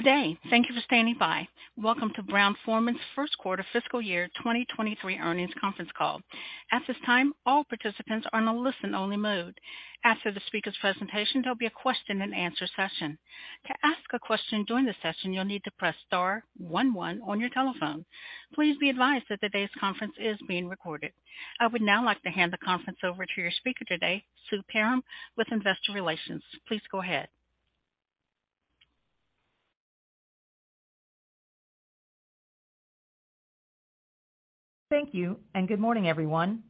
Good day. Thank you for standing by. Welcome to Brown-Forman's First Quarter fiscal year 2023 earnings conference call. At this time, all participants are in a listen only mode. After the speaker's presentation, there'll be a question and answer session. To ask a question during the session, you'll need to press star one one on your telephone. Please be advised that today's conference is being recorded. I would now like to hand the conference over to your speaker today, Sue Perram, with Investor Relations. Please go ahead. Thank you, and good morning, everyone.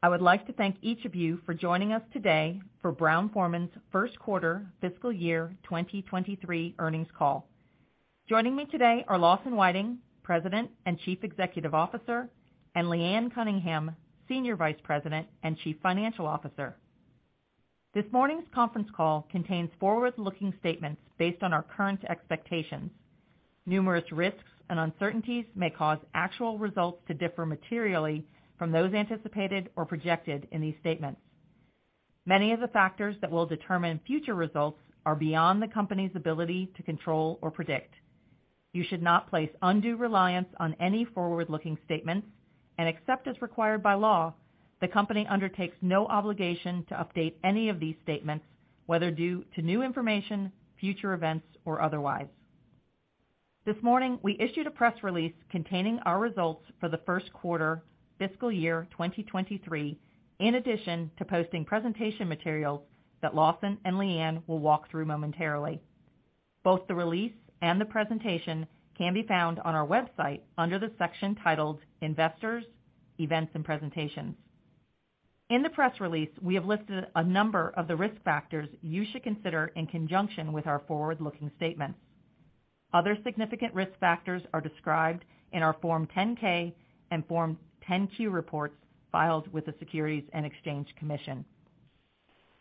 I would like to thank each of you for joining us today for Brown-Forman's first quarter fiscal year 2023 earnings call. Joining me today are Lawson Whiting, President and Chief Executive Officer, and Leanne Cunningham, Executive Vice President and Chief Financial Officer. This morning's conference call contains forward-looking statements based on our current expectations. Numerous risks and uncertainties may cause actual results to differ materially from those anticipated or projected in these statements. Many of the factors that will determine future results are beyond the company's ability to control or predict. You should not place undue reliance on any forward-looking statements, and except as required by law, the company undertakes no obligation to update any of these statements, whether due to new information, future events, or otherwise. This morning, we issued a press release containing our results for the first quarter fiscal year 2023, in addition to posting presentation materials that Lawson and Leanne will walk through momentarily. Both the release and the presentation can be found on our website under the section titled Investors, Events and Presentations. In the press release, we have listed a number of the risk factors you should consider in conjunction with our forward-looking statements. Other significant risk factors are described in our Form 10-K and Form 10-Q reports filed with the Securities and Exchange Commission.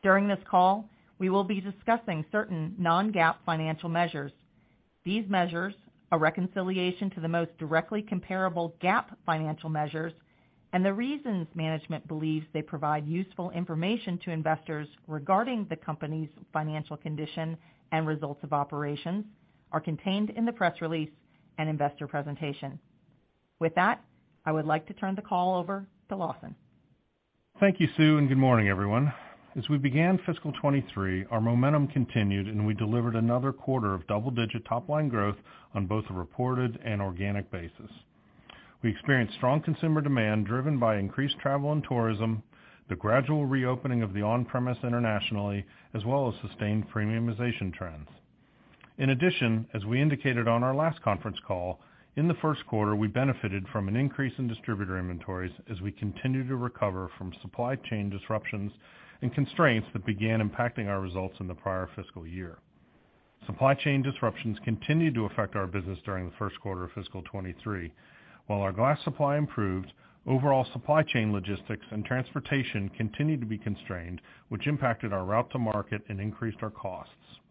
During this call, we will be discussing certain non-GAAP financial measures. These measures, a reconciliation to the most directly comparable GAAP financial measures, and the reasons management believes they provide useful information to investors regarding the company's financial condition and results of operations, are contained in the press release and investor presentation. With that, I would like to turn the call over to Lawson. Thank you, Sue, and good morning, everyone. As we began fiscal 2023, our momentum continued, and we delivered another quarter of double-digit top line growth on both a reported and organic basis. We experienced strong consumer demand driven by increased travel and tourism, the gradual reopening of the on-premise internationally, as well as sustained premiumization trends. In addition, as we indicated on our last conference call, in the first quarter, we benefited from an increase in distributor inventories as we continue to recover from supply chain disruptions and constraints that began impacting our results in the prior fiscal year. Supply chain disruptions continued to affect our business during the first quarter of fiscal 2023. While our glass supply improved, overall supply chain logistics and transportation continued to be constrained, which impacted our route to market and increased our costs.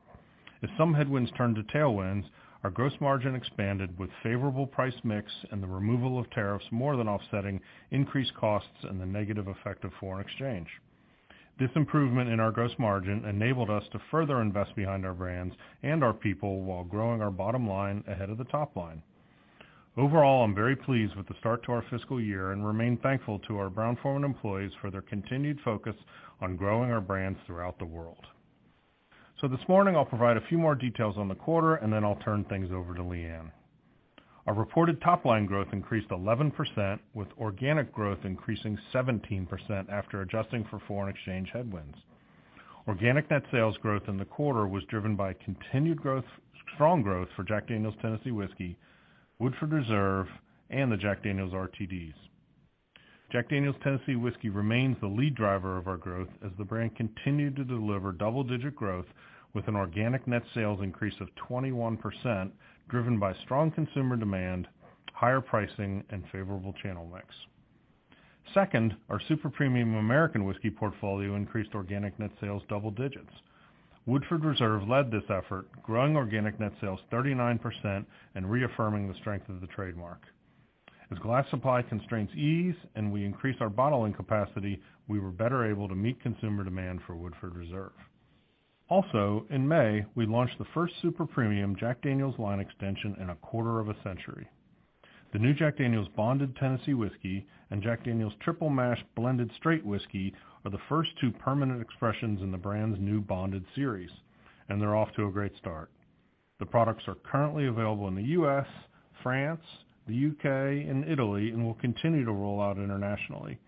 As some headwinds turned to tailwinds, our gross margin expanded with favorable price mix and the removal of tariffs more than offsetting increased costs and the negative effect of foreign exchange. This improvement in our gross margin enabled us to further invest behind our brands and our people while growing our bottom line ahead of the top line. Overall, I'm very pleased with the start to our fiscal year and remain thankful to our Brown-Forman employees for their continued focus on growing our brands throughout the world. This morning I'll provide a few more details on the quarter, and then I'll turn things over to Leanne. Our reported top line growth increased 11%, with organic growth increasing 17% after adjusting for foreign exchange headwinds. Organic net sales growth in the quarter was driven by continued growth, strong growth for Jack Daniel's Tennessee Whiskey, Woodford Reserve, and the Jack Daniel's RTDs. Jack Daniel's Tennessee Whiskey remains the lead driver of our growth as the brand continued to deliver double-digit growth with an organic net sales increase of 21%, driven by strong consumer demand, higher pricing, and favorable channel mix. Second, our super premium American Whiskey portfolio increased organic net sales double digits. Woodford Reserve led this effort, growing organic net sales 39% and reaffirming the strength of the trademark. As glass supply constraints ease and we increase our bottling capacity, we were better able to meet consumer demand for Woodford Reserve. Also, in May, we launched the first super premium Jack Daniel's line extension in a quarter of a century. The new Jack Daniel's Bonded Tennessee Whiskey and Jack Daniel's Triple Mash Blended Straight Whiskey are the first two permanent expressions in the brand's new bonded series, and they're off to a great start. The products are currently available in the U.S., France, the U.K., and Italy, and will continue to roll out internationally.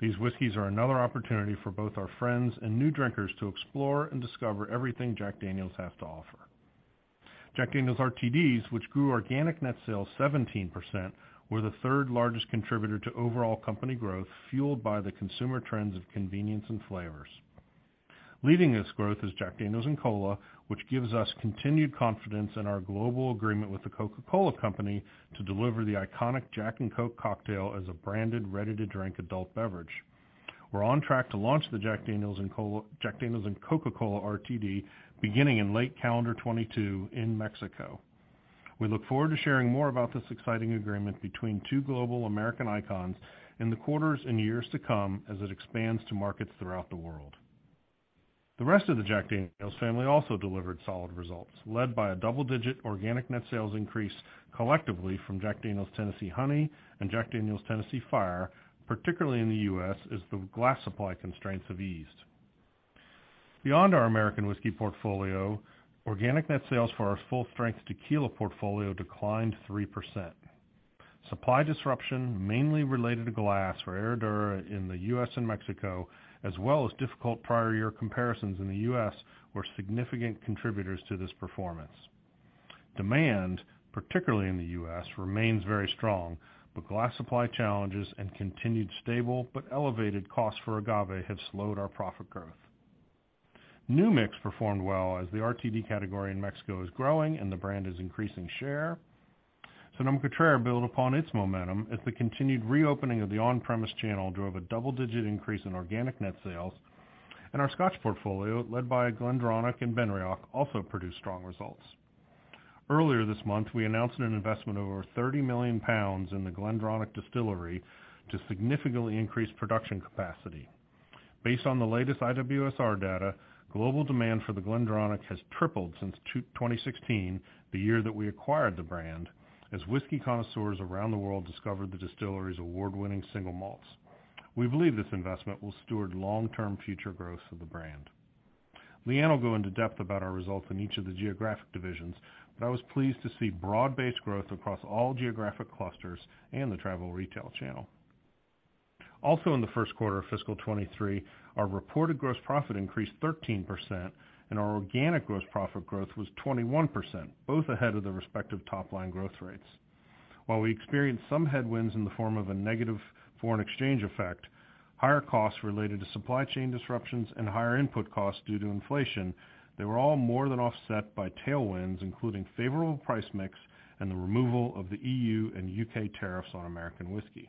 These whiskeys are another opportunity for both our friends and new drinkers to explore and discover everything Jack Daniel's have to offer. Jack Daniel's RTDs, which grew organic net sales 17%, were the third largest contributor to overall company growth, fueled by the consumer trends of convenience and flavors. Leading this growth is Jack Daniel's and Cola, which gives us continued confidence in our global agreement with The Coca-Cola Company to deliver the iconic Jack and Coke cocktail as a branded, ready-to-drink adult beverage. We're on track to launch the Jack Daniel's & Coca-Cola RTD beginning in late calendar 2022 in Mexico. We look forward to sharing more about this exciting agreement between two global American icons in the quarters and years to come as it expands to markets throughout the world. The rest of the Jack Daniel's family also delivered solid results, led by a double-digit organic net sales increase collectively from Jack Daniel's Tennessee Honey and Jack Daniel's Tennessee Fire, particularly in the U.S., as the glass supply constraints have eased. Beyond our American whiskey portfolio, organic net sales for our full-strength tequila portfolio declined 3%. Supply disruption, mainly related to glass for Herradura in the U.S. and Mexico, as well as difficult prior year comparisons in the U.S., were significant contributors to this performance. Demand, particularly in the U.S., remains very strong, but glass supply challenges and continued stable but elevated costs for agave have slowed our profit growth. New Mix performed well as the RTD category in Mexico is growing and the brand is increasing share. Sonoma-Cutrer built upon its momentum as the continued reopening of the on-premise channel drove a double-digit increase in organic net sales. Our Scotch portfolio, led by Glendronach and Benriach, also produced strong results. Earlier this month, we announced an investment of over 30 million pounds in the Glendronach Distillery to significantly increase production capacity. Based on the latest IWSR data, global demand for the Glendronach has tripled since 2016, the year that we acquired the brand, as whiskey connoisseurs around the world discovered the distillery's award-winning single malts. We believe this investment will steward long-term future growth of the brand. Leanne will go into depth about our results in each of the geographic divisions, but I was pleased to see broad-based growth across all geographic clusters and the travel retail channel. Also in the first quarter of fiscal 2023, our reported gross profit increased 13% and our organic gross profit growth was 21%, both ahead of the respective top-line growth rates. While we experienced some headwinds in the form of a negative foreign exchange effect, higher costs related to supply chain disruptions and higher input costs due to inflation, they were all more than offset by tailwinds, including favorable price mix and the removal of the EU and UK tariffs on American whiskey.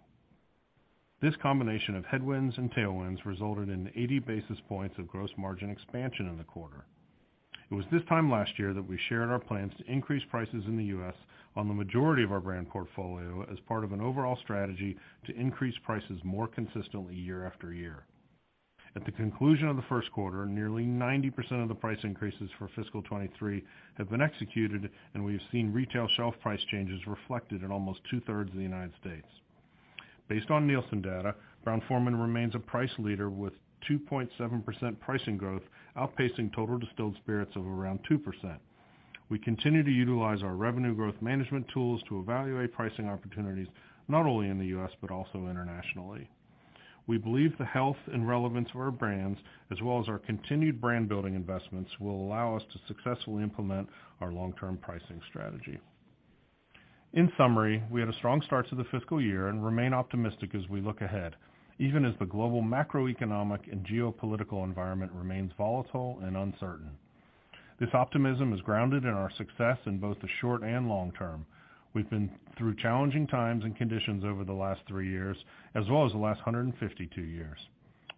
This combination of headwinds and tailwinds resulted in 80 basis points of gross margin expansion in the quarter. It was this time last year that we shared our plans to increase prices in the U.S. on the majority of our brand portfolio as part of an overall strategy to increase prices more consistently year after year. At the conclusion of the first quarter, nearly 90% of the price increases for fiscal 2023 have been executed, and we have seen retail shelf price changes reflected in almost 2/3 of the United States. Based on Nielsen data, Brown-Forman remains a price leader with 2.7% pricing growth, outpacing total distilled spirits of around 2%. We continue to utilize our revenue growth management tools to evaluate pricing opportunities, not only in the U.S., but also internationally. We believe the health and relevance of our brands, as well as our continued brand-building investments, will allow us to successfully implement our long-term pricing strategy. In summary, we had a strong start to the fiscal year and remain optimistic as we look ahead, even as the global macroeconomic and geopolitical environment remains volatile and uncertain. This optimism is grounded in our success in both the short and long term. We've been through challenging times and conditions over the last three years, as well as the last 152 years.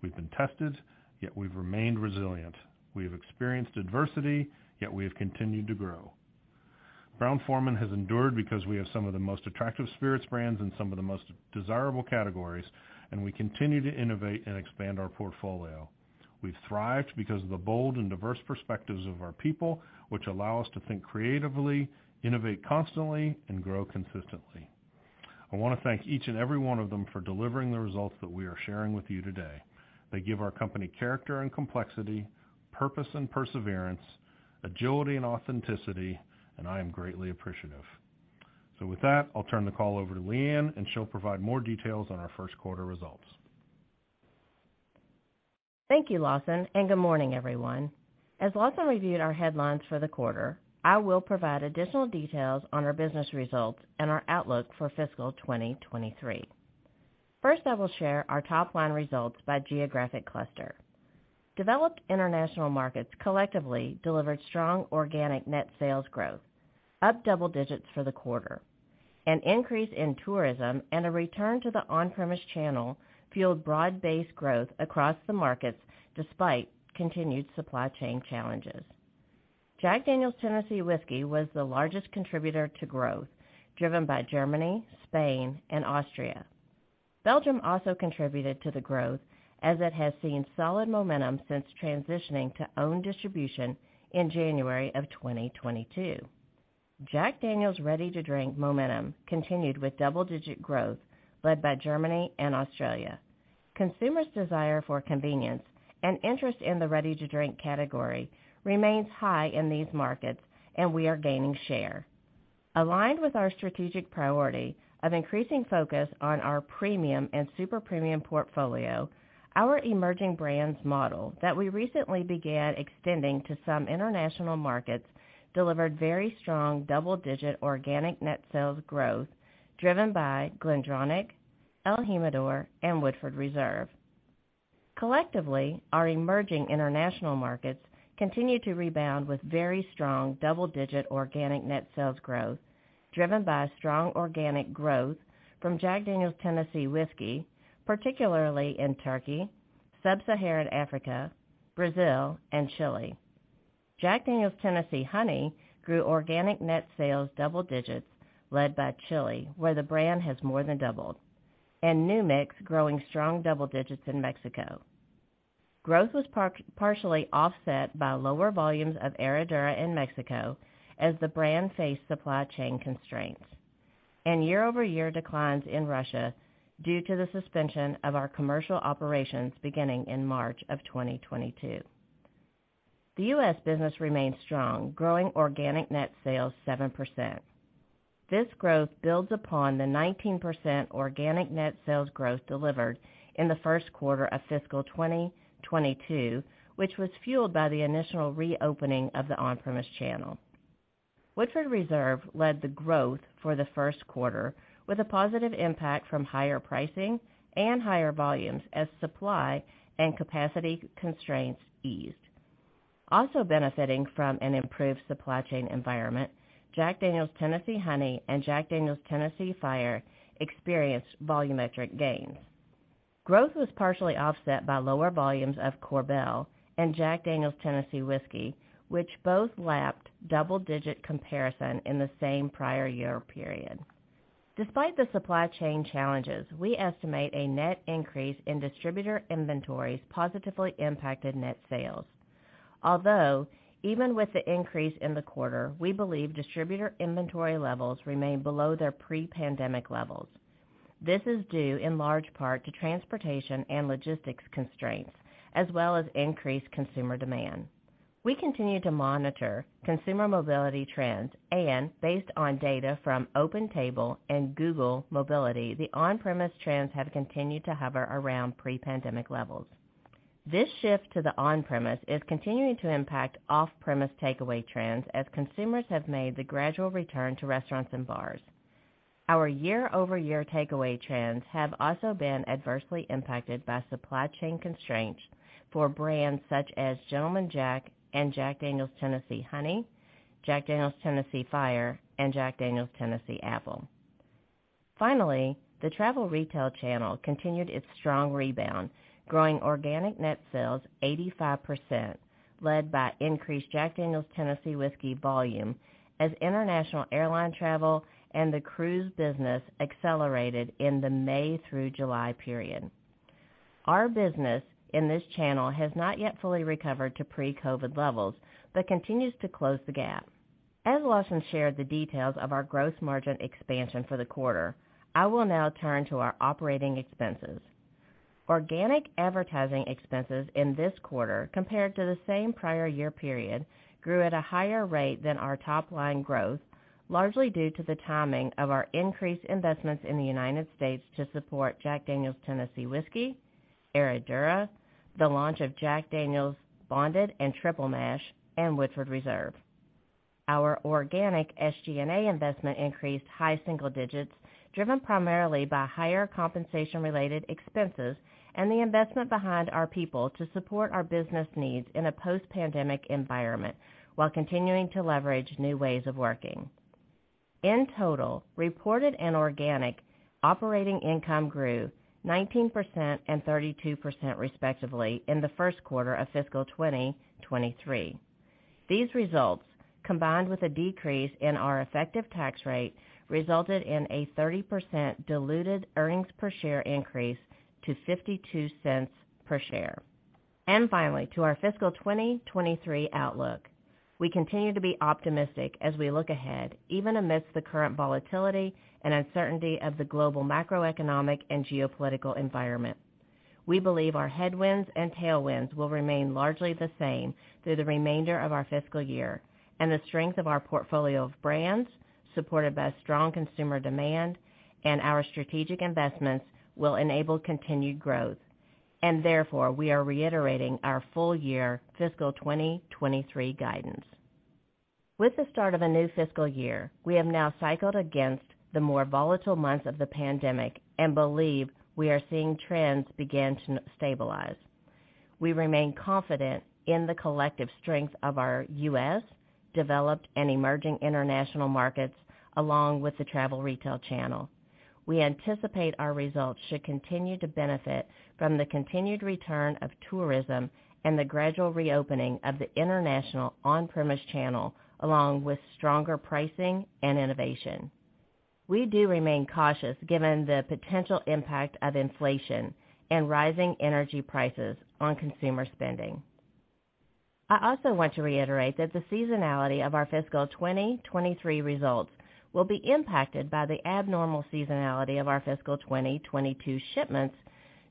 We've been tested, yet we've remained resilient. We have experienced adversity, yet we have continued to grow. Brown-Forman has endured because we have some of the most attractive spirits brands in some of the most desirable categories, and we continue to innovate and expand our portfolio. We've thrived because of the bold and diverse perspectives of our people, which allow us to think creatively, innovate constantly, and grow consistently. I wanna thank each and every one of them for delivering the results that we are sharing with you today. They give our company character and complexity, purpose and perseverance, agility and authenticity, and I am greatly appreciative. With that, I'll turn the call over to Leanne, and she'll provide more details on our first quarter results. Thank you, Lawson, and good morning, everyone. As Lawson reviewed our headlines for the quarter, I will provide additional details on our business results and our outlook for fiscal 2023. First, I will share our top-line results by geographic cluster. Developed international markets collectively delivered strong organic net sales growth, up double digits for the quarter. An increase in tourism and a return to the on-premise channel fueled broad-based growth across the markets despite continued supply chain challenges. Jack Daniel's Tennessee Whiskey was the largest contributor to growth, driven by Germany, Spain, and Austria. Belgium also contributed to the growth as it has seen solid momentum since transitioning to own distribution in January of 2022. Jack Daniel's Ready-to-Drink momentum continued with double-digit growth led by Germany and Australia. Consumers' desire for convenience and interest in the Ready-to-Drink category remains high in these markets, and we are gaining share. Aligned with our strategic priority of increasing focus on our premium and super premium portfolio, our emerging brands model that we recently began extending to some international markets delivered very strong double-digit organic net sales growth, driven by Glendronach, el Jimador, and Woodford Reserve. Collectively, our emerging international markets continue to rebound with very strong double-digit organic net sales growth, driven by strong organic growth from Jack Daniel's Tennessee Whiskey, particularly in Turkey, Sub-Saharan Africa, Brazil, and Chile. Jack Daniel's Tennessee Honey grew organic net sales double digits led by Chile, where the brand has more than doubled, and New Mix growing strong double digits in Mexico. Growth was partially offset by lower volumes of Herradura in Mexico as the brand faced supply chain constraints and year-over-year declines in Russia due to the suspension of our commercial operations beginning in March of 2022. The U.S. business remains strong, growing organic net sales 7%. This growth builds upon the 19% organic net sales growth delivered in the first quarter of fiscal 2022, which was fueled by the initial reopening of the on-premise channel. Woodford Reserve led the growth for the first quarter with a positive impact from higher pricing and higher volumes as supply and capacity constraints eased. Also benefiting from an improved supply chain environment, Jack Daniel's Tennessee Honey and Jack Daniel's Tennessee Fire experienced volumetric gains. Growth was partially offset by lower volumes of Korbel and Jack Daniel's Tennessee Whiskey, which both lapped double-digit comparison in the same prior year period. Despite the supply chain challenges, we estimate a net increase in distributor inventories positively impacted net sales. Although even with the increase in the quarter, we believe distributor inventory levels remain below their pre-pandemic levels. This is due in large part to transportation and logistics constraints, as well as increased consumer demand. We continue to monitor consumer mobility trends and based on data from OpenTable and Google Mobility, the on-premise trends have continued to hover around pre-pandemic levels. This shift to the on-premise is continuing to impact off-premise takeaway trends as consumers have made the gradual return to restaurants and bars. Our year-over-year takeaway trends have also been adversely impacted by supply chain constraints for brands such as Gentleman Jack and Jack Daniel's Tennessee Honey, Jack Daniel's Tennessee Fire and Jack Daniel's Tennessee Apple. Finally, the travel retail channel continued its strong rebound, growing organic net sales 85%, led by increased Jack Daniel's Tennessee Whiskey volume as international airline travel and the cruise business accelerated in the May through July period. Our business in this channel has not yet fully recovered to pre-COVID levels, but continues to close the gap. As Lawson shared the details of our gross margin expansion for the quarter, I will now turn to our operating expenses. Organic advertising expenses in this quarter compared to the same prior year period grew at a higher rate than our top line growth, largely due to the timing of our increased investments in the United States to support Jack Daniel's Tennessee Whiskey, Herradura, the launch of Jack Daniel's Bonded and Triple Mash, and Woodford Reserve. Our organic SG&A investment increased high single digits, driven primarily by higher compensation-related expenses and the investment behind our people to support our business needs in a post-pandemic environment while continuing to leverage new ways of working. In total, reported and organic operating income grew 19% and 32% respectively in the first quarter of fiscal 2023. These results, combined with a decrease in our effective tax rate, resulted in a 30% diluted earnings per share increase to $0.52 per share. Finally, to our fiscal 2023 outlook. We continue to be optimistic as we look ahead, even amidst the current volatility and uncertainty of the global macroeconomic and geopolitical environment. We believe our headwinds and tailwinds will remain largely the same through the remainder of our fiscal year, and the strength of our portfolio of brands, supported by strong consumer demand and our strategic investments, will enable continued growth. Therefore, we are reiterating our full year fiscal 2023 guidance. With the start of a new fiscal year, we have now cycled against the more volatile months of the pandemic and believe we are seeing trends begin to stabilize. We remain confident in the collective strength of our U.S. developed and emerging international markets, along with the travel retail channel. We anticipate our results should continue to benefit from the continued return of tourism and the gradual reopening of the international on-premise channel, along with stronger pricing and innovation. We do remain cautious given the potential impact of inflation and rising energy prices on consumer spending. I also want to reiterate that the seasonality of our fiscal 2023 results will be impacted by the abnormal seasonality of our fiscal 2022 shipments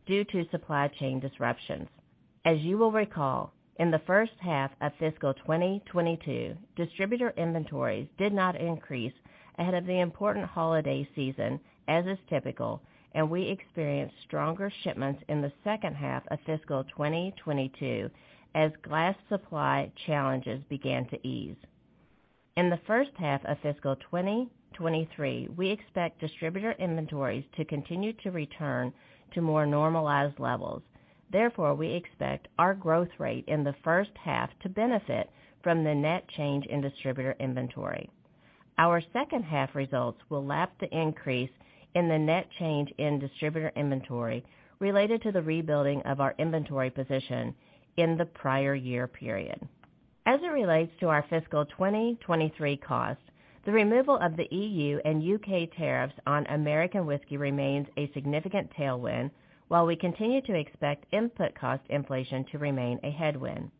due to supply chain disruptions. As you will recall, in the first half of fiscal 2022, distributor inventories did not increase ahead of the important holiday season, as is typical, and we experienced stronger shipments in the second half of fiscal 2022 as glass supply challenges began to ease. In the first half of fiscal 2023, we expect distributor inventories to continue to return to more normalized levels. Therefore, we expect our growth rate in the first half to benefit from the net change in distributor inventory. Our second half results will lap the increase in the net change in distributor inventory related to the rebuilding of our inventory position in the prior year period. As it relates to our fiscal 2023 costs, the removal of the EU and UK tariffs on American whiskey remains a significant tailwind, while we continue to expect input cost inflation to remain a headwind.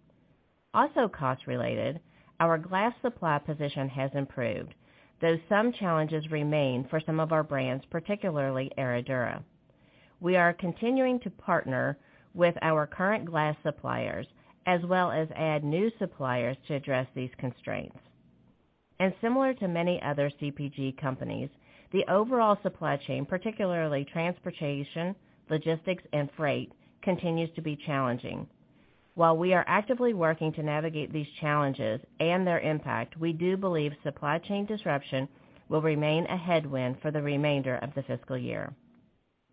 Also cost related, our glass supply position has improved, though some challenges remain for some of our brands, particularly Herradura. We are continuing to partner with our current glass suppliers as well as add new suppliers to address these constraints. Similar to many other CPG companies, the overall supply chain, particularly transportation, logistics, and freight, continues to be challenging. While we are actively working to navigate these challenges and their impact, we do believe supply chain disruption will remain a headwind for the remainder of the fiscal year.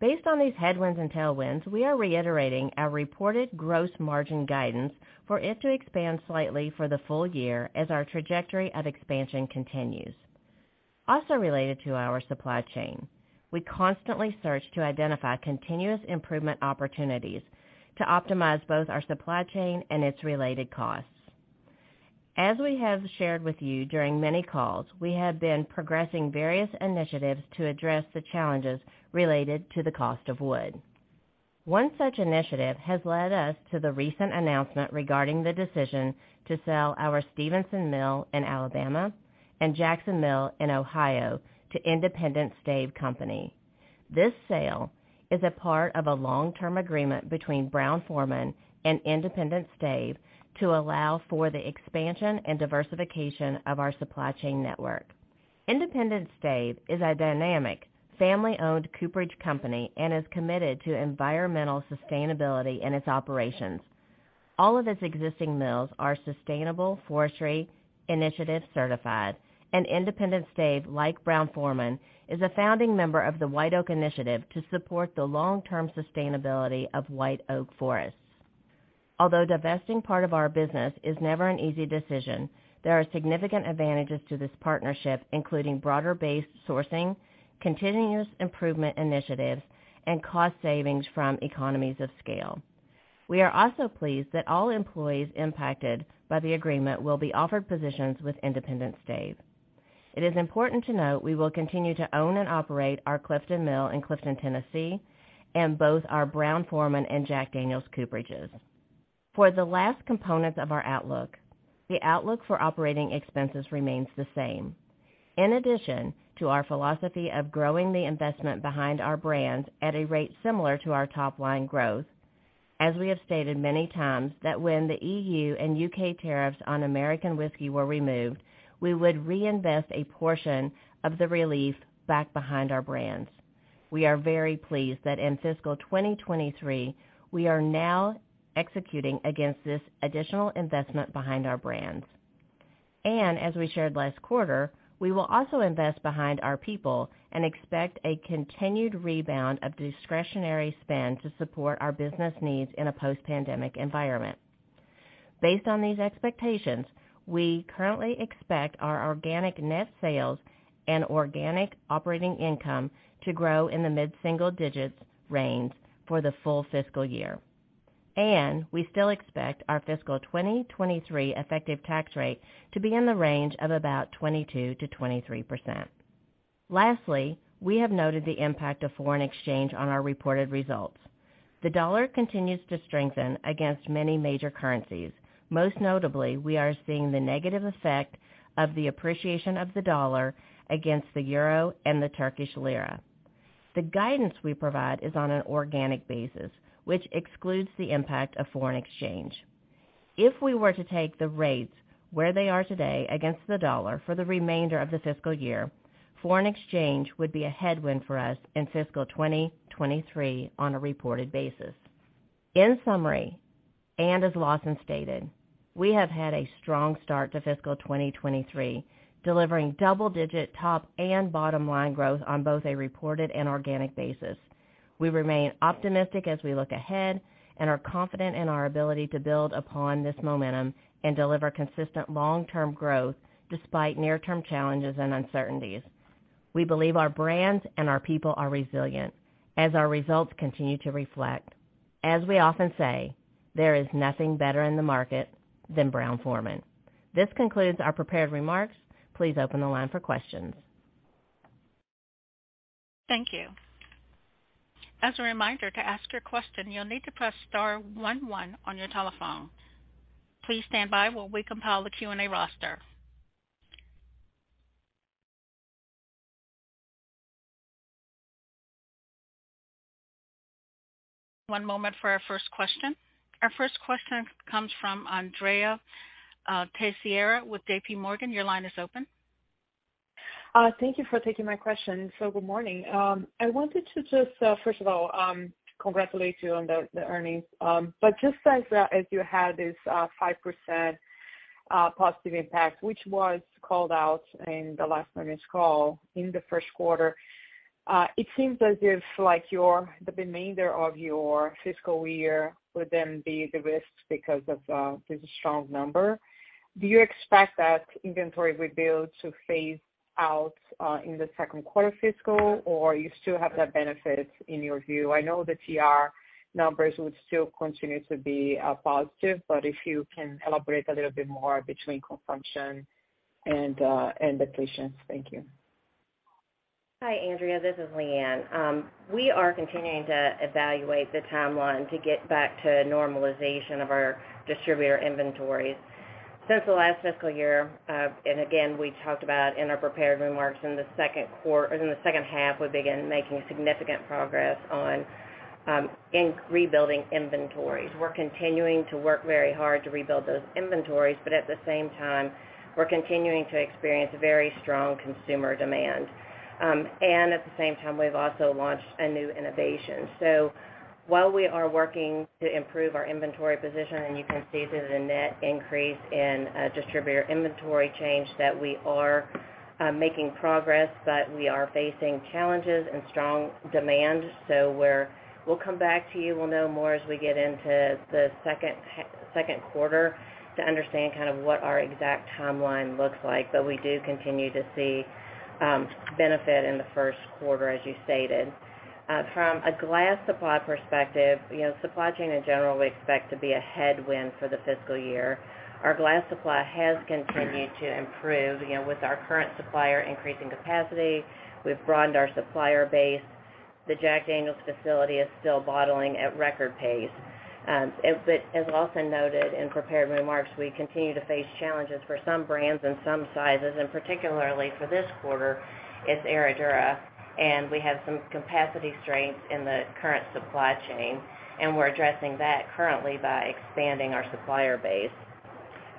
Based on these headwinds and tailwinds, we are reiterating our reported gross margin guidance for it to expand slightly for the full year as our trajectory of expansion continues. Also related to our supply chain, we constantly search to identify continuous improvement opportunities to optimize both our supply chain and its related costs. As we have shared with you during many calls, we have been progressing various initiatives to address the challenges related to the cost of wood. One such initiative has led us to the recent announcement regarding the decision to sell our Stevenson Mill in Alabama and Jackson Mill in Ohio to Independent Stave Company. This sale is a part of a long-term agreement between Brown-Forman and Independent Stave Company to allow for the expansion and diversification of our supply chain network. Independent Stave Company is a dynamic, family-owned cooperage company and is committed to environmental sustainability in its operations. All of its existing mills are Sustainable Forestry Initiative certified, and Independent Stave, like Brown-Forman, is a founding member of the White Oak Initiative to support the long-term sustainability of white oak forests. Although divesting part of our business is never an easy decision, there are significant advantages to this partnership, including broader-based sourcing, continuous improvement initiatives, and cost savings from economies of scale. We are also pleased that all employees impacted by the agreement will be offered positions with Independent Stave. It is important to note we will continue to own and operate our Clifton mill in Clifton, Tennessee, and both our Brown-Forman and Jack Daniel's cooperages. For the last component of our outlook, the outlook for operating expenses remains the same. In addition to our philosophy of growing the investment behind our brands at a rate similar to our top line growth, as we have stated many times that when the EU and UK tariffs on American whiskey were removed, we would reinvest a portion of the relief back behind our brands. We are very pleased that in fiscal 2023, we are now executing against this additional investment behind our brands. As we shared last quarter, we will also invest behind our people and expect a continued rebound of discretionary spend to support our business needs in a post-pandemic environment. Based on these expectations, we currently expect our organic net sales and organic operating income to grow in the mid-single digits range for the full fiscal year. We still expect our fiscal 2023 effective tax rate to be in the range of about 22%-23%. Lastly, we have noted the impact of foreign exchange on our reported results. The dollar continues to strengthen against many major currencies. Most notably, we are seeing the negative effect of the appreciation of the dollar against the euro and the Turkish lira. The guidance we provide is on an organic basis, which excludes the impact of foreign exchange. If we were to take the rates where they are today against the dollar for the remainder of the fiscal year, foreign exchange would be a headwind for us in fiscal 2023 on a reported basis. In summary, and as Lawson stated, we have had a strong start to fiscal 2023, delivering double-digit top and bottom line growth on both a reported and organic basis. We remain optimistic as we look ahead and are confident in our ability to build upon this momentum and deliver consistent long-term growth despite near-term challenges and uncertainties. We believe our brands and our people are resilient as our results continue to reflect. As we often say, there is nothing better in the market than Brown-Forman. This concludes our prepared remarks. Please open the line for questions. Thank you. As a reminder to ask your question, you'll need to press star one one on your telephone. Please stand by while we compile the Q&A roster. One moment for our first question. Our first question comes from Andrea Teixeira with JPMorgan. Your line is open. Thank you for taking my question. Good morning. I wanted to just first of all congratulate you on the earnings. Just as you had this 5% positive impact, which was called out in the last earnings call in the first quarter. It seems as if like the remainder of your fiscal year would then be the risks because of this strong number. Do you expect that inventory rebuild to phase out in the second quarter fiscal, or you still have that benefit in your view? I know the TR numbers would still continue to be positive, but if you can elaborate a little bit more between consumption and the depletions. Thank you. Hi, Andrea, this is Leanne. We are continuing to evaluate the timeline to get back to normalization of our distributor inventories. Since the last fiscal year, and again, we talked about in our prepared remarks, in the second half, we began making significant progress on in rebuilding inventories. We're continuing to work very hard to rebuild those inventories, but at the same time, we're continuing to experience very strong consumer demand. At the same time, we've also launched a new innovation. While we are working to improve our inventory position, and you can see through the net increase in distributor inventory change that we are making progress, but we are facing challenges and strong demand. We'll come back to you. We'll know more as we get into the second quarter to understand kind of what our exact timeline looks like. We do continue to see benefit in the first quarter, as you stated. From a glass supply perspective, you know, supply chain in general, we expect to be a headwind for the fiscal year. Our glass supply has continued to improve, you know, with our current supplier increasing capacity. We've broadened our supplier base. The Jack Daniel's facility is still bottling at record pace. But as Lawson noted in prepared remarks, we continue to face challenges for some brands and some sizes, and particularly for this quarter, it's Herradura, and we have some capacity strengths in the current supply chain. We're addressing that currently by expanding our supplier base.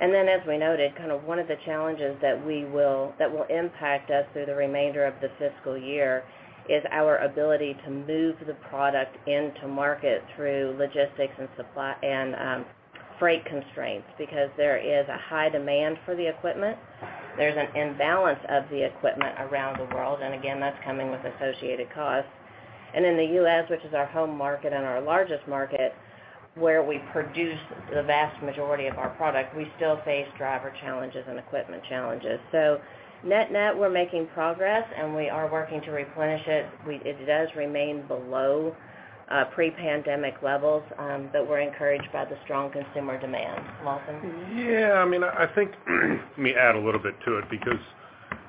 As we noted, kind of one of the challenges that will impact us through the remainder of the fiscal year is our ability to move the product into market through logistics and supply, and freight constraints because there is a high demand for the equipment. There's an imbalance of the equipment around the world, and again, that's coming with associated costs. In the U.S., which is our home market and our largest market, where we produce the vast majority of our product, we still face driver challenges and equipment challenges. Net-net, we're making progress, and we are working to replenish it. It does remain below pre-pandemic levels, but we're encouraged by the strong consumer demand. Lawson? Yeah. I mean, I think, let me add a little bit to it because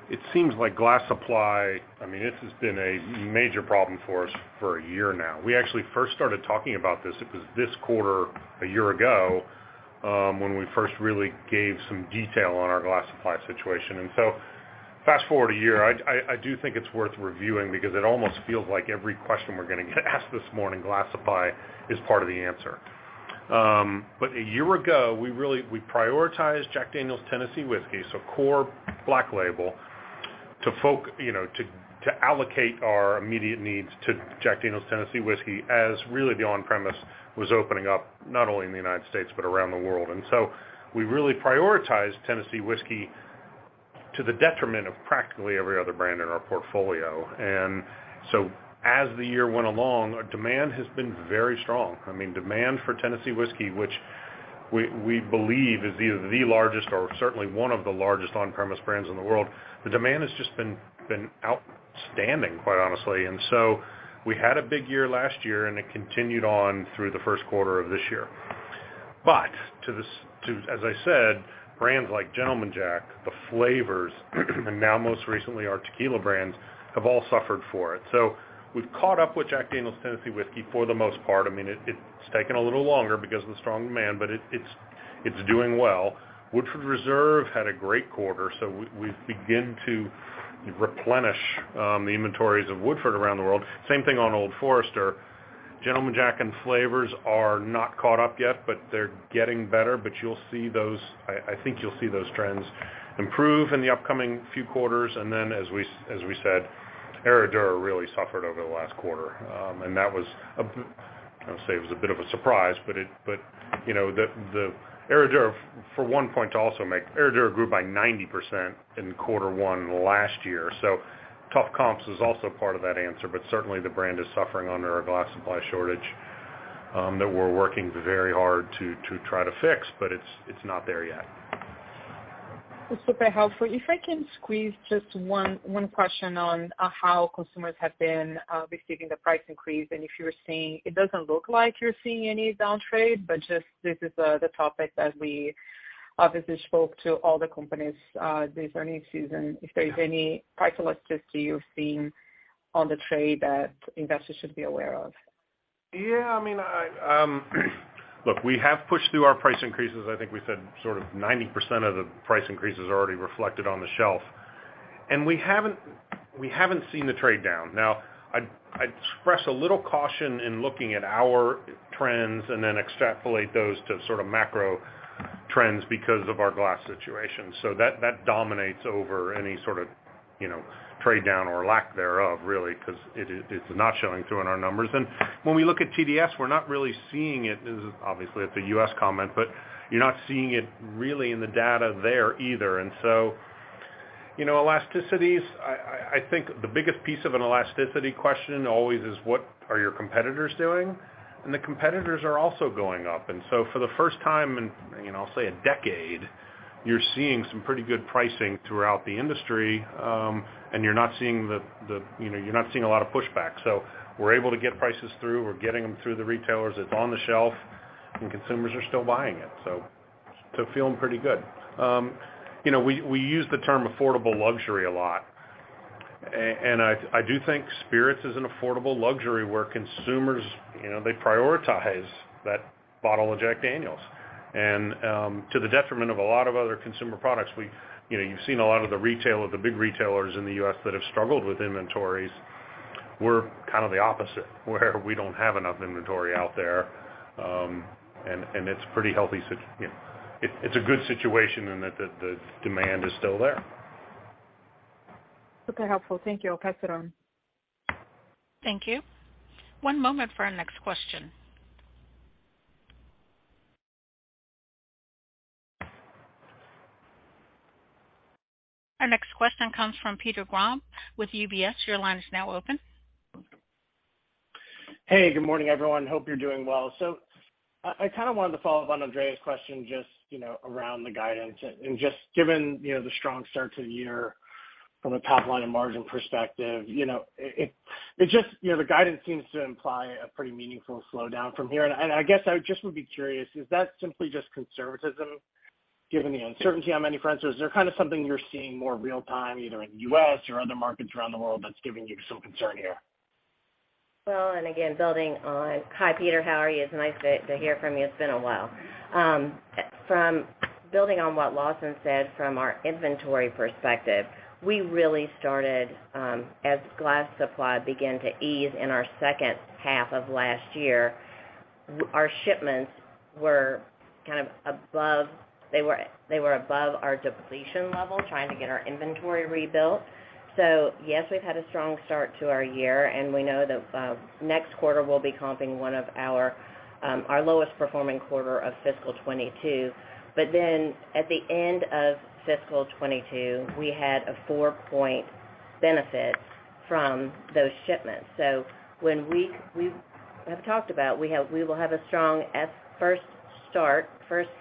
it seems like glass supply, I mean, this has been a major problem for us for a year now. We actually first started talking about this, it was this quarter a year ago, when we first really gave some detail on our glass supply situation. Fast-forward a year, I do think it's worth reviewing because it almost feels like every question we're gonna get asked this morning, glass supply is part of the answer. But a year ago, we really prioritized Jack Daniel's Tennessee Whiskey, so Core Black Label, you know, to allocate our immediate needs to Jack Daniel's Tennessee Whiskey, as really the on-premise was opening up not only in the United States, but around the world. We really prioritized Tennessee Whiskey to the detriment of practically every other brand in our portfolio. As the year went along, our demand has been very strong. I mean, demand for Tennessee Whiskey, which we believe is either the largest or certainly one of the largest on-premise brands in the world, the demand has just been outstanding, quite honestly. We had a big year last year, and it continued on through the first quarter of this year. To, as I said, brands like Gentleman Jack, the flavors, and now most recently our tequila brands, have all suffered for it. We've caught up with Jack Daniel's Tennessee Whiskey for the most part. I mean, it's taken a little longer because of the strong demand, but it's doing well. Woodford Reserve had a great quarter, so we begin to replenish the inventories of Woodford around the world. Same thing on Old Forester. Gentleman Jack and flavors are not caught up yet, but they're getting better, but you'll see those trends improve in the upcoming few quarters. Then as we said, Herradura really suffered over the last quarter. That was a bit of a surprise, but you know, the Herradura for one point to also make, Herradura grew by 90% in quarter one last year. Tough comps is also part of that answer, but certainly the brand is suffering under our glass supply shortage that we're working very hard to try to fix, but it's not there yet. It's super helpful. If I can squeeze just one question on how consumers have been receiving the price increase, and It doesn't look like you're seeing any down trade, but this is the topic that we obviously spoke to all the companies this earnings season. If there's any price elasticity you've seen on the trade that investors should be aware of. Yeah. I mean, I look, we have pushed through our price increases. I think we said sort of 90% of the price increase is already reflected on the shelf. We haven't seen the trade down. Now, I'd express a little caution in looking at our trends and then extrapolate those to sort of macro trends because of our glass situation. That dominates over any sort of, you know, trade down or lack thereof really because it's not showing through in our numbers. When we look at TDS, we're not really seeing it. This is obviously it's a U.S. comment, but you're not seeing it really in the data there either. You know, elasticities, I think the biggest piece of an elasticity question always is what are your competitors doing? The competitors are also going up. For the first time in, you know, I'll say a decade, you're seeing some pretty good pricing throughout the industry, and you're not seeing a lot of pushback. We're able to get prices through. We're getting them through the retailers. It's on the shelf, and consumers are still buying it, feeling pretty good. You know, we use the term affordable luxury a lot. And I do think spirits is an affordable luxury where consumers, you know, they prioritize that bottle of Jack Daniel's. To the detriment of a lot of other consumer products, you know, you've seen a lot of the big retailers in the U.S. that have struggled with inventories. We're kind of the opposite, where we don't have enough inventory out there, and it's pretty healthy. You know, it's a good situation in that the demand is still there. Okay, helpful. Thank you. I'll pass it on. Thank you. One moment for our next question. Our next question comes from Peter Grom with UBS. Your line is now open. Hey, good morning, everyone. Hope you're doing well. I kind of wanted to follow up on Andrea's question just, you know, around the guidance and just given, you know, the strong start to the year from a top line and margin perspective. You know, it just, you know, the guidance seems to imply a pretty meaningful slowdown from here. I guess I just would be curious, is that simply just conservatism given the uncertainty on many fronts, or is there kind of something you're seeing more real time, either in the U.S. or other markets around the world that's giving you some concern here? Hi, Peter, how are you? It's nice to hear from you. It's been a while. From building on what Lawson said from our inventory perspective, we really started, as glass supply began to ease in our second half of last year, our shipments were kind of above our depletion level, trying to get our inventory rebuilt. Yes, we've had a strong start to our year, and we know that next quarter will be comping one of our lowest performing quarter of fiscal 2022. Then at the end of fiscal 2022, we had a 4-point benefit from those shipments. When we have talked about, we will have a strong first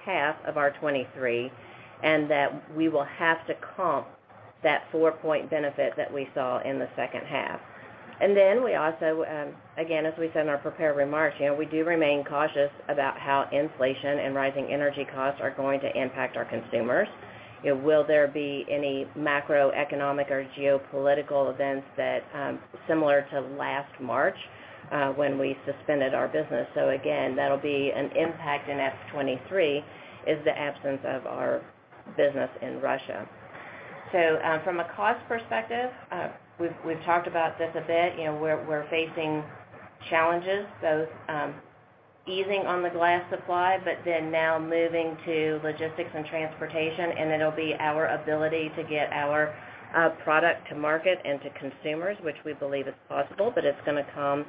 half of our 2023, and that we will have to comp that 4-point benefit that we saw in the second half. We also, again, as we said in our prepared remarks, you know, we do remain cautious about how inflation and rising energy costs are going to impact our consumers. You know, will there be any macroeconomic or geopolitical events that, similar to last March, when we suspended our business? Again, that'll be an impact in FY 2023, is the absence of our business in Russia. From a cost perspective, we've talked about this a bit. You know, we're facing challenges, both easing on the glass supply, but then now moving to logistics and transportation. It'll be our ability to get our product to market and to consumers, which we believe is possible, but it's gonna come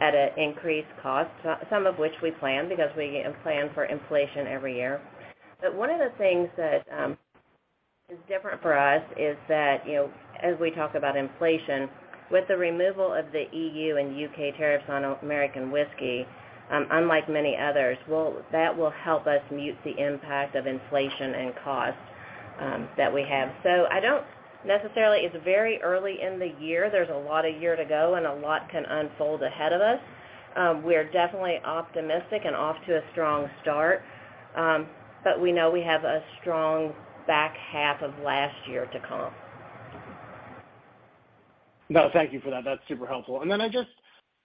at an increased cost, some of which we plan because we plan for inflation every year. But one of the things that is different for us is that, you know, as we talk about inflation, with the removal of the EU and UK tariffs on American whiskey, unlike many others, we'll, that will help us mute the impact of inflation and cost that we have. So I don't necessarily. It's very early in the year. There's a lot of year to go, and a lot can unfold ahead of us. We're definitely optimistic and off to a strong start. But we know we have a strong back half of last year to comp. No, thank you for that. That's super helpful. I just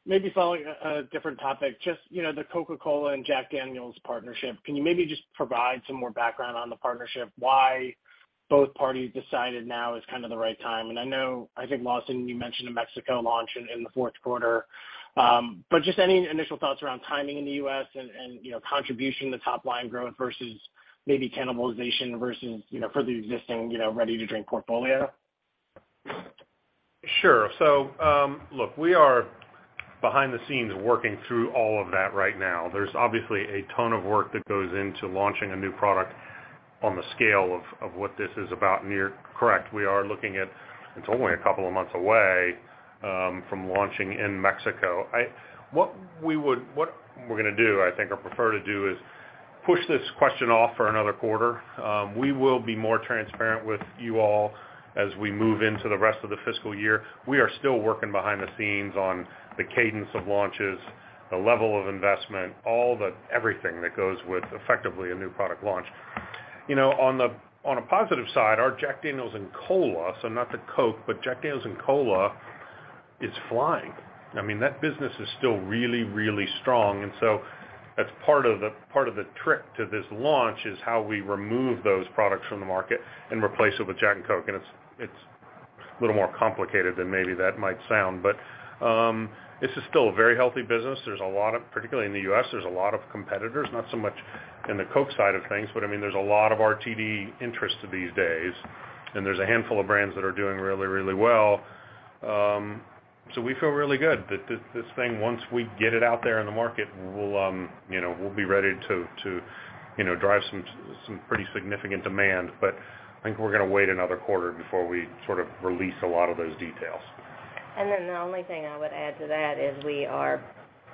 maybe following a different topic, just, you know, the Coca-Cola and Jack Daniel's partnership. Can you maybe just provide some more background on the partnership? Why both parties decided now is kind of the right time? I know, I think, Lawson, you mentioned a Mexico launch in the fourth quarter. Just any initial thoughts around timing in the U.S. and, you know, contribution to top line growth versus maybe cannibalization versus, you know, for the existing, you know, ready to drink portfolio. Sure. Look, we are behind the scenes working through all of that right now. There's obviously a ton of work that goes into launching a new product on the scale of what this is about, and you're correct. We are looking at, it's only a couple of months away from launching in Mexico. What we're gonna do, I think, or prefer to do is push this question off for another quarter. We will be more transparent with you all as we move into the rest of the fiscal year. We are still working behind the scenes on the cadence of launches, the level of investment, all the everything that goes with effectively a new product launch. You know, on a positive side, our Jack Daniel's and Cola, so not the Coke, but Jack Daniel's and Cola is flying. I mean, that business is still really, really strong. That's part of the trick to this launch, is how we remove those products from the market and replace it with Jack and Coke. It's a little more complicated than maybe that might sound, but this is still a very healthy business. There's a lot of, particularly in the U.S., there's a lot of competitors, not so much in the Coke side of things, but I mean, there's a lot of RTD interest these days, and there's a handful of brands that are doing really, really well. We feel really good that this thing, once we get it out there in the market, you know, we'll be ready to you know, drive some pretty significant demand. I think we're gonna wait another quarter before we sort of release a lot of those details. The only thing I would add to that is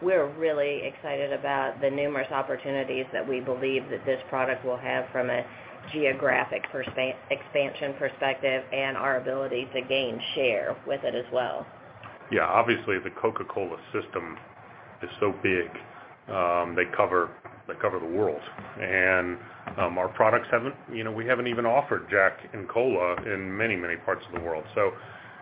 we're really excited about the numerous opportunities that we believe that this product will have from a geographic expansion perspective and our ability to gain share with it as well. Yeah. Obviously, the Coca-Cola system is so big, they cover the world. You know, we haven't even offered Jack Daniel's and Cola in many parts of the world.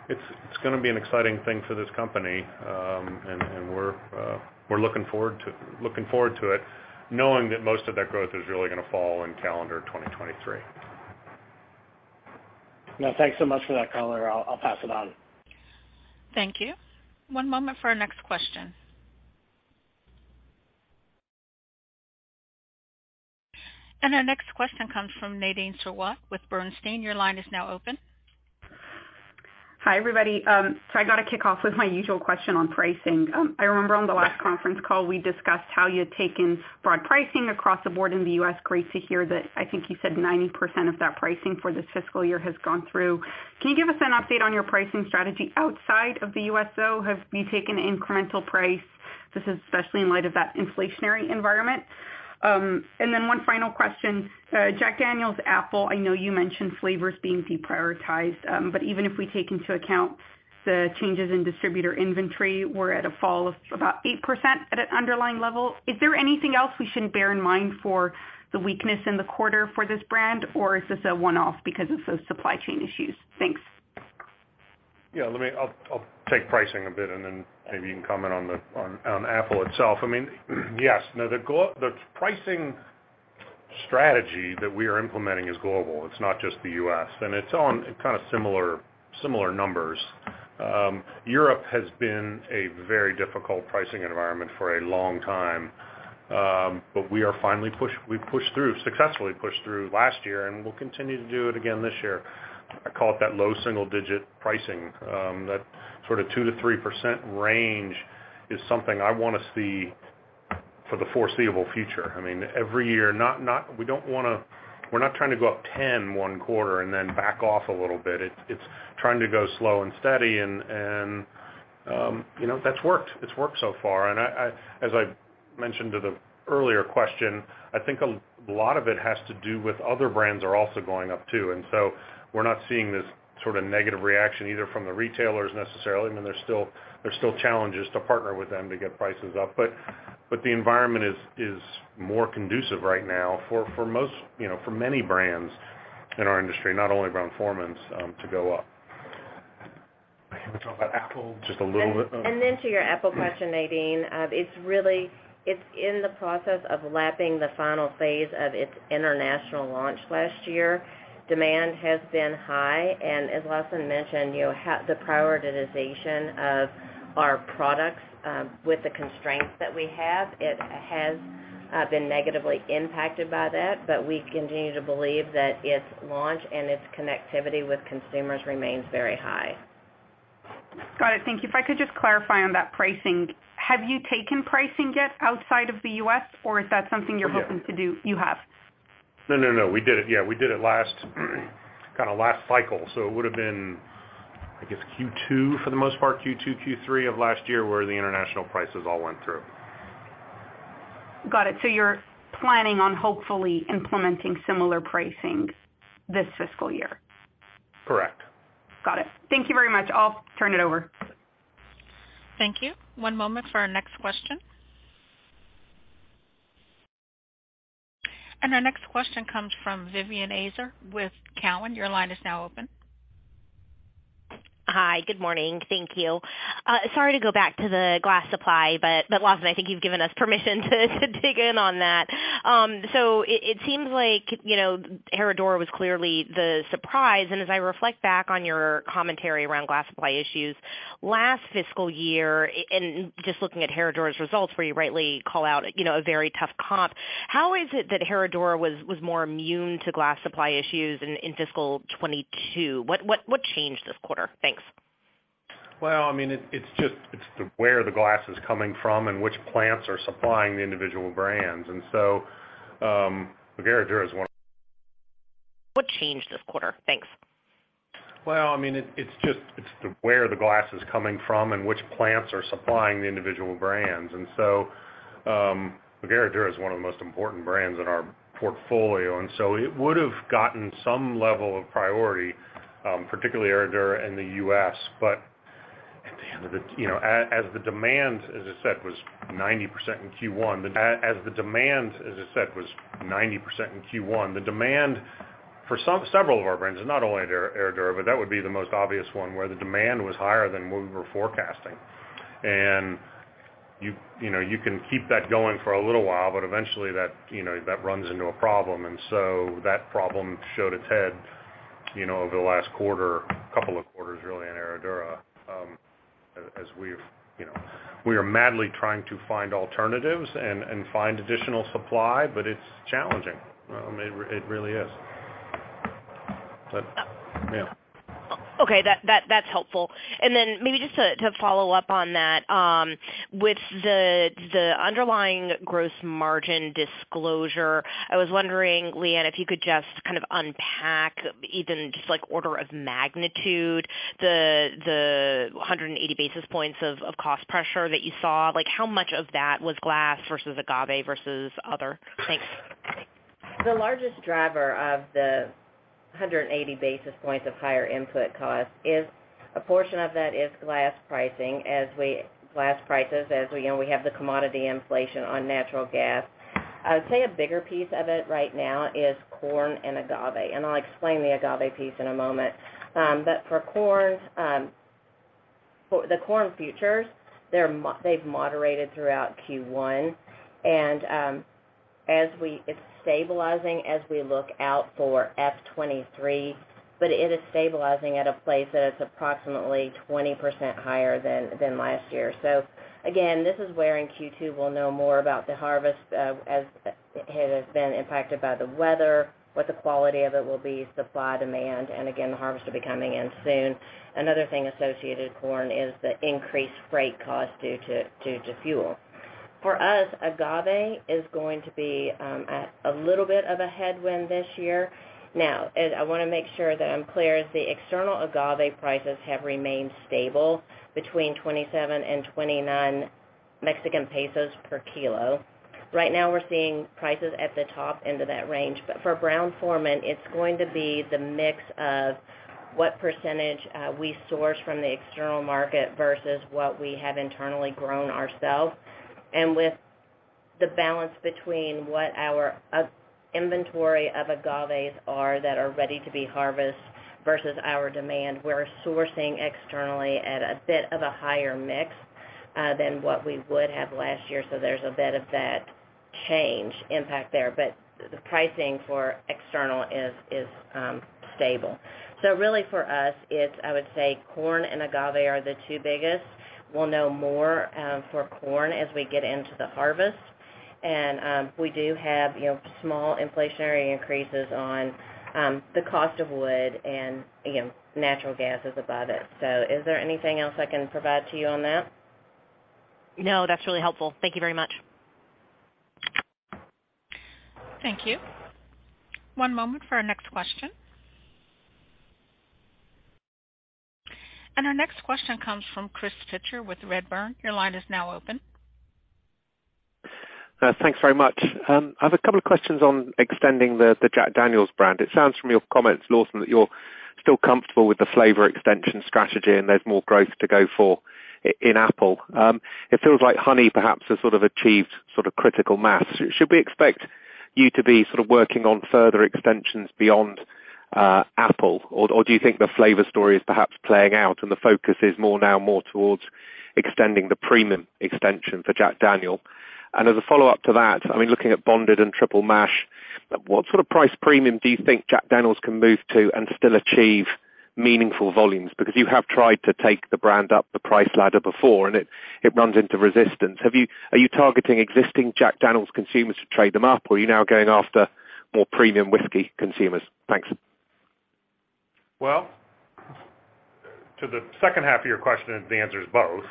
It's gonna be an exciting thing for this company, and we're looking forward to it, knowing that most of that growth is really gonna fall in calendar 2023. No, thanks so much for that color. I'll pass it on. Thank you. One moment for our next question. Our next question comes from Nadine Sarwat with Bernstein. Your line is now open. Hi, everybody. I gotta kick off with my usual question on pricing. I remember on the last conference call, we discussed how you'd taken broad pricing across the board in the U.S. Great to hear that. I think you said 90% of that pricing for this fiscal year has gone through. Can you give us an update on your pricing strategy outside of the U.S., though? Have you taken incremental pricing? This is especially in light of that inflationary environment. One final question. Jack Daniel's Apple, I know you mentioned flavors being deprioritized, but even if we take into account the changes in distributor inventory, we're at a fall of about 8% at an underlying level. Is there anything else we should bear in mind for the weakness in the quarter for this brand, or is this a one-off because of those supply chain issues? Thanks. Yeah. I'll take pricing a bit, and then maybe you can comment on Tennessee Apple itself. I mean, yes. Now the pricing strategy that we are implementing is global. It's not just the U.S., and it's on kind of similar numbers. Europe has been a very difficult pricing environment for a long time. We finally pushed through, successfully pushed through last year, and we'll continue to do it again this year. I call it that low single digit pricing, that sort of 2%-3% range is something I wanna see for the foreseeable future. I mean, every year, not, we're not trying to go up 10% in one quarter and then back off a little bit. It's trying to go slow and steady, and you know, that's worked. It's worked so far. As I mentioned to the earlier question, I think a lot of it has to do with other brands are also going up too. We're not seeing this sort of negative reaction either from the retailers necessarily. I mean, there's still challenges to partner with them to get prices up. The environment is more conducive right now for most, you know, for many brands in our industry, not only Brown-Forman's, to go up. Can we talk about Apple just a little bit? To your Apple question, Nadine, it's really in the process of lapping the final phase of its international launch last year. Demand has been high, and as Lawson mentioned, you know, the prioritization of our products with the constraints that we have, it has been negatively impacted by that. But we continue to believe that its launch and its connectivity with consumers remains very high. Got it. Thank you. If I could just clarify on that pricing, have you taken pricing yet outside of the U.S., or is that something you're hoping to do? Oh, yeah. You have. No, no. We did it. Yeah, we did it last, kind of last cycle. It would've been, I guess, Q2 for the most part, Q2, Q3 of last year, where the international prices all went through. Got it. You're planning on hopefully implementing similar pricing this fiscal year? Correct. Got it. Thank you very much. I'll turn it over. Thank you. One moment for our next question. Our next question comes from Vivien Azer with Cowen. Your line is now open. Hi. Good morning. Thank you. Sorry to go back to the glass supply, but Lawson, I think you've given us permission to dig in on that. So it seems like, you know, Herradura was clearly the surprise. As I reflect back on your commentary around glass supply issues, last fiscal year, and just looking at Herradura's results where you rightly call out, you know, a very tough comp, how is it that Herradura was more immune to glass supply issues in fiscal 2022? What changed this quarter? Thanks. Well, I mean, it's just where the glass is coming from and which plants are supplying the individual brands. Herradura is one- What changed this quarter? Thanks. I mean, it's just where the glass is coming from and which plants are supplying the individual brands. Herradura is one of the most important brands in our portfolio, so it would've gotten some level of priority, particularly Herradura in the U.S. At the end of the, you know, as the demand, as I said, was 90% in Q1, the demand for several of our brands, and not only Herradura, but that would be the most obvious one, where the demand was higher than what we were forecasting. You know, you can keep that going for a little while, but eventually that runs into a problem. That problem showed its head, you know, over the last quarter, couple of quarters really in Herradura. We are madly trying to find alternatives and find additional supply, but it's challenging. It really is. Okay, that's helpful. Maybe just to follow up on that, with the underlying gross margin disclosure, I was wondering, Leanne, if you could just kind of unpack even just like order of magnitude, the 180 basis points of cost pressure that you saw, like, how much of that was glass versus agave versus other? Thanks. The largest driver of the 180 basis points of higher input cost is a portion of that is glass pricing. Glass prices as we, you know, we have the commodity inflation on natural gas. I would say a bigger piece of it right now is corn and agave, and I'll explain the agave piece in a moment. But for corn, for the corn futures, they've moderated throughout Q1. It's stabilizing as we look out for FY 2023, but it is stabilizing at a place that it's approximately 20% higher than last year. This is where in Q2, we'll know more about the harvest, as it has been impacted by the weather, what the quality of it will be, supply, demand, and again, the harvest will be coming in soon. Another thing associated corn is the increased freight cost due to fuel. For us, agave is going to be a little bit of a headwind this year. Now, I wanna make sure that I'm clear, the external agave prices have remained stable between 27 and 29 Mexican pesos per kilo. Right now we're seeing prices at the top end of that range. For Brown-Forman, it's going to be the mix of what percentage we source from the external market versus what we have internally grown ourselves. With the balance between what our inventory of agaves are that are ready to be harvest versus our demand, we're sourcing externally at a bit of a higher mix than what we would have last year. There's a bit of that change impact there. The pricing for external is stable. Really for us, it's, I would say, corn and agave are the two biggest. We'll know more for corn as we get into the harvest. We do have, you know, small inflationary increases on the cost of wood and, again, natural gas is above it. Is there anything else I can provide to you on that? No, that's really helpful. Thank you very much. Thank you. One moment for our next question. Our next question comes from Chris Pitcher with Redburn. Your line is now open. Thanks very much. I have a couple of questions on extending the Jack Daniel's brand. It sounds from your comments, Lawson, that you're still comfortable with the flavor extension strategy, and there's more growth to go for in apple. It feels like honey perhaps has achieved critical mass. Should we expect you to be working on further extensions beyond apple? Or do you think the flavor story is perhaps playing out, and the focus is more now towards extending the premium extension for Jack Daniel's? And as a follow-up to that, I mean, looking at Bonded and Triple Mash, what sort of price premium do you think Jack Daniel's can move to and still achieve meaningful volumes? Because you have tried to take the brand up the price ladder before, and it runs into resistance. Are you targeting existing Jack Daniel's consumers to trade them up, or are you now going after more premium whiskey consumers? Thanks. Well, to the second half of your question, the answer is both.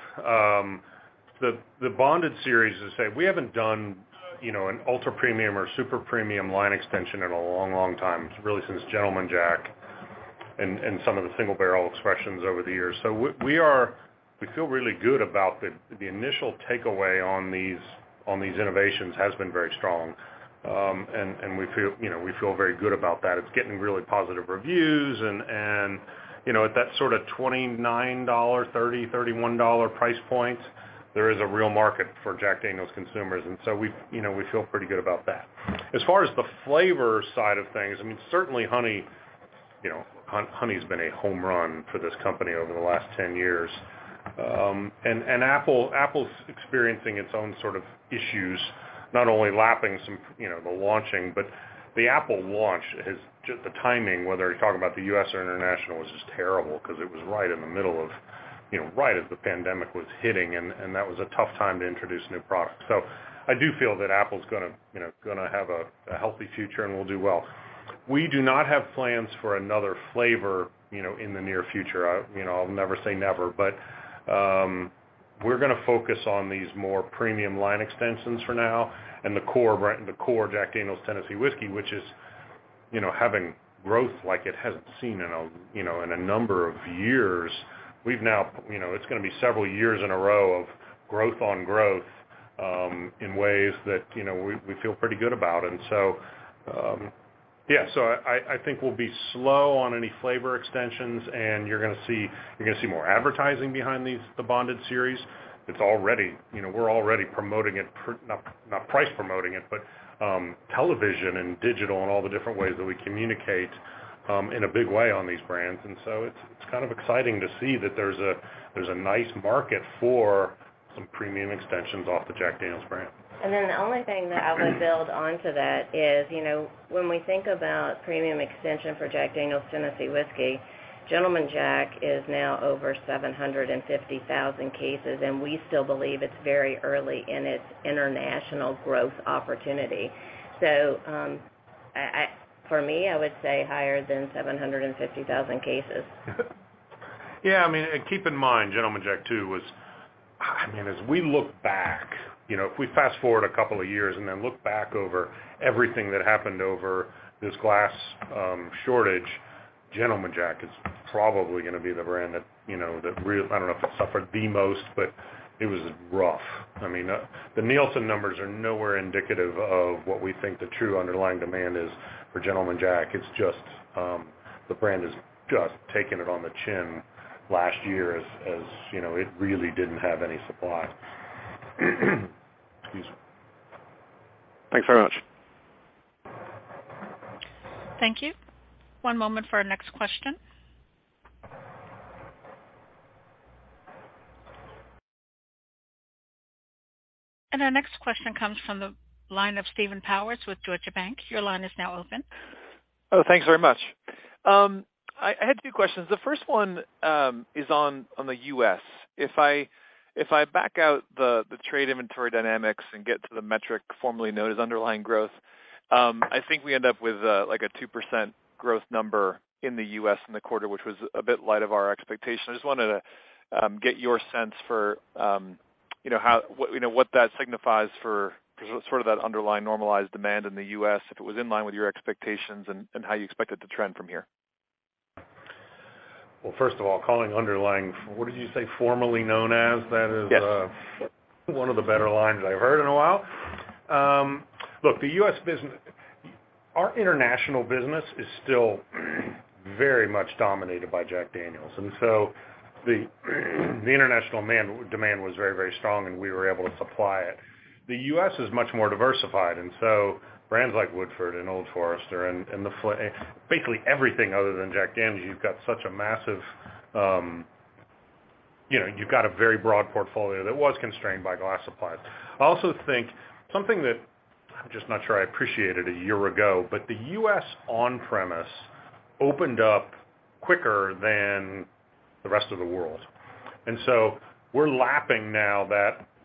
The Bonded series is, say, we haven't done, you know, an ultra premium or super premium line extension in a long, long time, really since Gentleman Jack and some of the single barrel expressions over the years. We feel really good about the initial takeaway on these innovations has been very strong. We feel, you know, we feel very good about that. It's getting really positive reviews and, you know, at that sort of $29-$30-$31 price points, there is a real market for Jack Daniel's consumers, and so we, you know, we feel pretty good about that. As far as the flavor side of things, I mean, certainly Honey, you know, Honey's been a home run for this company over the last 10 years. Apple’s experiencing its own sort of issues, not only lapping some, you know, the launching, but the Apple launch has, just the timing, whether you're talking about the U.S. or international, was just terrible because it was right in the middle of, you know, right as the pandemic was hitting, and that was a tough time to introduce new products. I do feel that Apple’s gonna, you know, have a healthy future and will do well. We do not have plans for another flavor, you know, in the near future. You know, I'll never say never, but we're gonna focus on these more premium line extensions for now and the core brand, the core Jack Daniel's Tennessee Whiskey, which is, you know, having growth like it hasn't seen in a, you know, in a number of years. We've now, you know, it's gonna be several years in a row of growth on growth, in ways that, you know, we feel pretty good about. Yeah. I think we'll be slow on any flavor extensions, and you're gonna see more advertising behind these, the Bonded series. It's already, you know, we're already promoting it, not price promoting it, but television and digital and all the different ways that we communicate in a big way on these brands. It's kind of exciting to see that there's a nice market for some premium extensions off the Jack Daniel's brand. The only thing that I would build onto that is, you know, when we think about premium extension for Jack Daniel's Tennessee Whiskey, Gentleman Jack is now over 750,000 cases, and we still believe it's very early in its international growth opportunity. For me, I would say higher than 750,000 cases. Yeah, I mean, keep in mind, Gentleman Jack too. I mean, as we look back, you know, if we fast-forward a couple of years and then look back over everything that happened over this glass shortage, Gentleman Jack is probably gonna be the brand that, you know, I don't know if it suffered the most, but it was rough. I mean, the Nielsen numbers are nowhere indicative of what we think the true underlying demand is for Gentleman Jack. It's just, the brand has just taken it on the chin last year as, you know, it really didn't have any supply. Excuse me. Thanks very much. Thank you. One moment for our next question. Our next question comes from the line of Stephen Powers with Deutsche Bank. Your line is now open. Oh, thanks very much. I had two questions. The first one is on the U.S. If I back out the trade inventory dynamics and get to the metric formerly known as underlying growth, I think we end up with like a 2% growth number in the U.S. in the quarter, which was a bit light of our expectation. I just wanted to get your sense for you know how what you know what that signifies for sort of that underlying normalized demand in the U.S., if it was in line with your expectations and how you expect it to trend from here. Well, first of all, what did you say, formerly known as? That is, Yes One of the better lines I've heard in a while. Look, the U.S. business. Our international business is still very much dominated by Jack Daniel's. The international demand was very, very strong, and we were able to supply it. The U.S. is much more diversified, and brands like Woodford and Old Forester. Basically, everything other than Jack Daniel's, you've got such a massive, you know, you've got a very broad portfolio that was constrained by glass supply. I also think something that I'm just not sure I appreciated a year ago, but the U.S. on-premise opened up quicker than the rest of the world. We're lapping now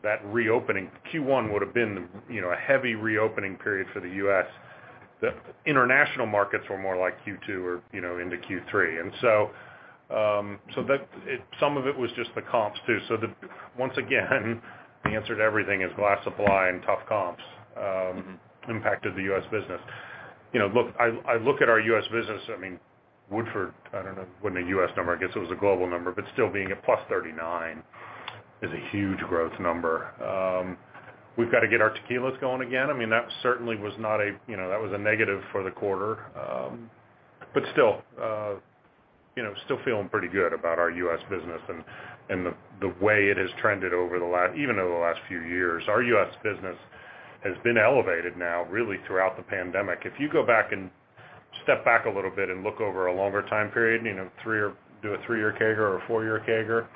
that reopening. Q1 would have been, you know, a heavy reopening period for the U.S. The international markets were more like Q2 or, you know, into Q3. Some of it was just the comps too. Once again, the answer to everything is glass supply and tough comps impacted the U.S. business. You know, look, I look at our U.S. business, I mean, Woodford, I don't know, wasn't a U.S. number. I guess it was a global number, but still being at +39% is a huge growth number. We've got to get our tequilas going again. I mean, that certainly was not a you know, that was a negative for the quarter. But still, you know, still feeling pretty good about our U.S. business and the way it has trended over the last few years. Our U.S. business has been elevated now really throughout the pandemic. If you go back and step back a little bit and look over a longer time period, you know, three-year CAGR or a four-year CAGR,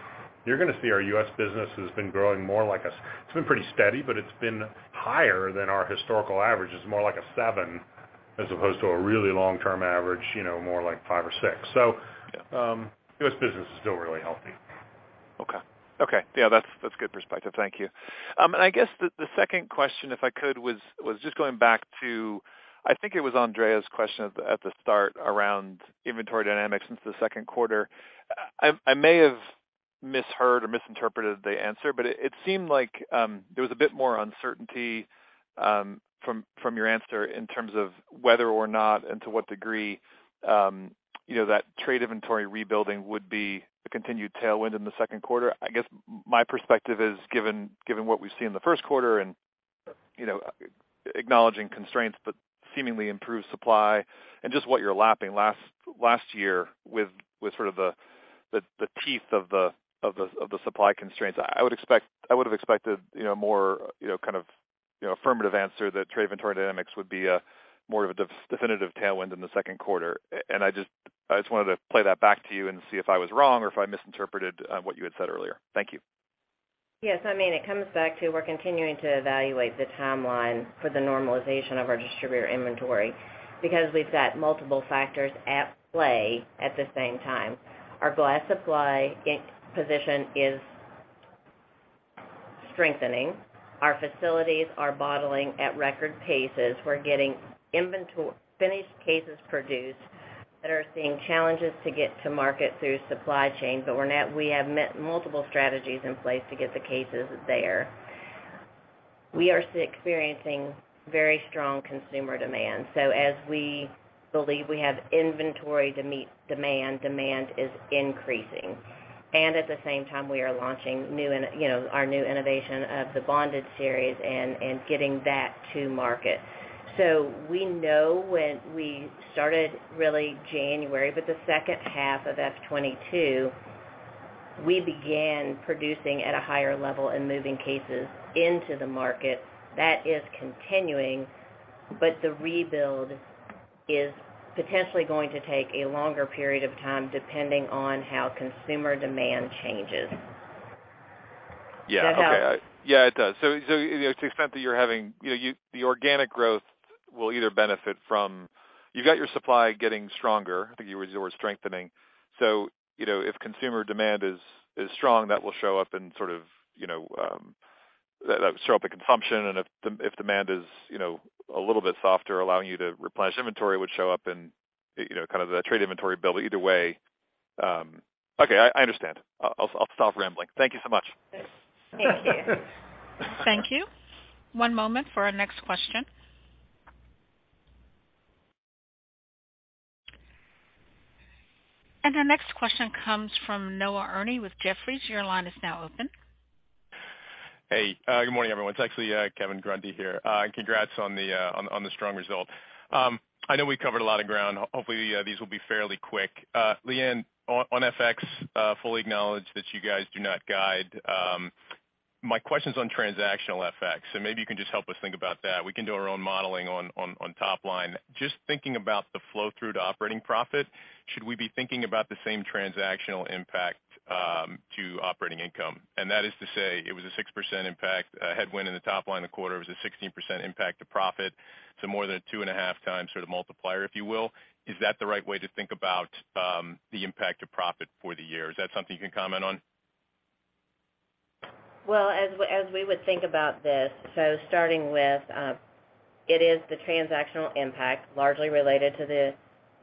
you're gonna see our U.S. business has been growing more like 7%. It's been pretty steady, but it's been higher than our historical average. It's more like 7% as opposed to a really long-term average, you know, more like 5% or 6%. U.S. business is still really healthy. Okay. Yeah, that's good perspective. Thank you. I guess the second question, if I could, was just going back to, I think it was Andrea's question at the start around inventory dynamics since the second quarter. I may have misheard or misinterpreted the answer, but it seemed like there was a bit more uncertainty from your answer in terms of whether or not and to what degree, you know, that trade inventory rebuilding would be a continued tailwind in the second quarter. I guess my perspective is, given what we've seen in the first quarter and, you know, acknowledging constraints, but seemingly improved supply and just what you're lapping last year with sort of the teeth of the supply constraints, I would have expected, you know, a more, you know, kind of, you know, affirmative answer that trade inventory dynamics would be more of a definitive tailwind in the second quarter. I just wanted to play that back to you and see if I was wrong or if I misinterpreted what you had said earlier. Thank you. Yes. I mean, it comes back to we're continuing to evaluate the timeline for the normalization of our distributor inventory because we've got multiple factors at play at the same time. Our glass supply position is strengthening. Our facilities are bottling at record paces. We're getting inventory, finished cases produced that are seeing challenges to get to market through supply chain, but we have multiple strategies in place to get the cases there. We are experiencing very strong consumer demand. As we believe we have inventory to meet demand is increasing. At the same time, we are launching new innovations, you know, our new innovation of the Bonded series and getting that to market. We know when we started really January, but the second half of FY 2022, we began producing at a higher level and moving cases into the market. That is continuing, but the rebuild is potentially going to take a longer period of time, depending on how consumer demand changes. Yeah. Okay. Does that help? Yeah, it does. To the extent that you're having, you know, the organic growth will either benefit from. You've got your supply getting stronger. I think you were strengthening. You know, if consumer demand is strong, that will show up in sort of, you know. That would show up in consumption, and if demand is, you know, a little bit softer, allowing you to replenish inventory would show up in, you know, kind of the trade inventory build either way. Okay, I understand. I'll stop rambling. Thank you so much. Thank you. Thank you. One moment for our next question. Our next question comes from Noah Erni with Jefferies. Your line is now open. Hey, good morning, everyone. It's actually Kevin Grundy here. Congrats on the strong result. I know we covered a lot of ground. Hopefully, these will be fairly quick. Leanne, on FX, fully acknowledge that you guys do not guide. My question's on transactional FX, so maybe you can just help us think about that. We can do our own modeling on top line. Just thinking about the flow through to operating profit, should we be thinking about the same transactional impact to operating income? That is to say, it was a 6% impact, headwind in the top line of the quarter. It was a 16% impact to profit, so more than 2.5x sort of multiplier, if you will. Is that the right way to think about, the impact to profit for the year? Is that something you can comment on? As we would think about this, starting with, it is the transactional impact largely related to the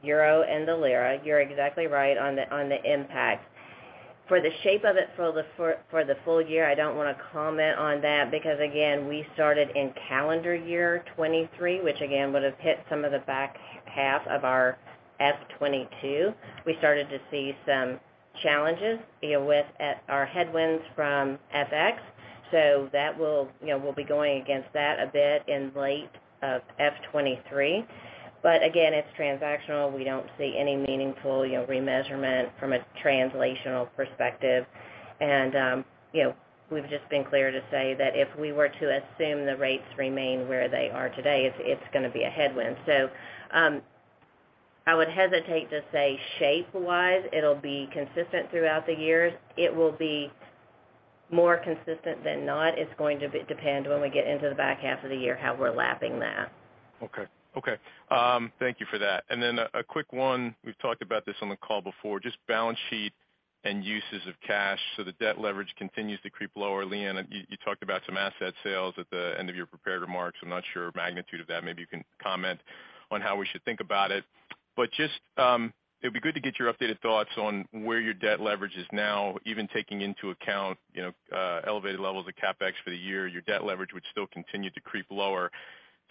euro and the lira. You're exactly right on the impact. For the shape of it for the full year, I don't wanna comment on that because, again, we started in calendar year 2023, which again would have hit some of the back half of our FY 2022. We started to see some challenges, you know, with our headwinds from FX. That will. You know, we'll be going against that a bit in the latter half of FY 2023. Again, it's transactional. We don't see any meaningful, you know, remeasurement from a translational perspective. You know, we've just been clear to say that if we were to assume the rates remain where they are today, it's gonna be a headwind. I would hesitate to say shape wise it'll be consistent throughout the years. It will be more consistent than not. It's going to depend when we get into the back half of the year how we're lapping that. Thank you for that. A quick one. We've talked about this on the call before, just balance sheet and uses of cash. The debt leverage continues to creep lower. Leanne, you talked about some asset sales at the end of your prepared remarks. I'm not sure of the magnitude of that. Maybe you can comment on how we should think about it. It'd be good to get your updated thoughts on where your debt leverage is now. Even taking into account, you know, elevated levels of CapEx for the year, your debt leverage would still continue to creep lower.